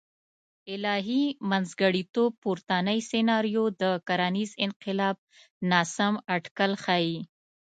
الهي منځګړیتوب پورتنۍ سناریو د کرنیز انقلاب ناسم اټکل ښیي.